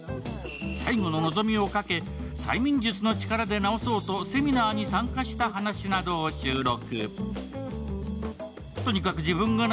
最後の望みをかけ催眠術の力で治そうとセミナーに参加した話などを収録。